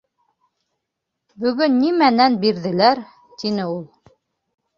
- Бөгөн нимәнән бирҙеләр? - тине ул.